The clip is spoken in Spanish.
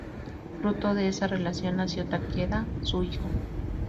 Fruto de esa relación nació Takeda, su hijo.